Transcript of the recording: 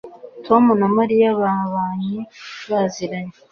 tom na mariya babanye baziranye